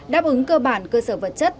đáp ứng cơ bản cơ sở vật chất